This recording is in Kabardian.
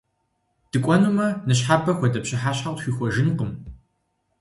ДыкӀуэнумэ, ныщхьэбэ хуэдэ пщыхьэщхьэ къытхуихуэжынкъым!